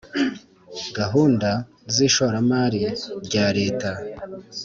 gahunda z ishoramari rya Leta